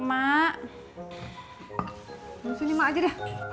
gak dikenal lagi